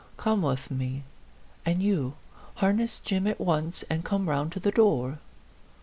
Come with me. And you, harness Jim at once and come round to the door."